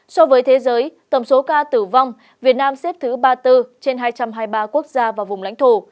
so với thế giới tổng số ca tử vong việt nam xếp thứ ba mươi bốn trên hai trăm hai mươi ba quốc gia và vùng lãnh thổ